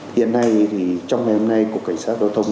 hiện nay thì trong ngày hôm nay cục cảnh sát giao thông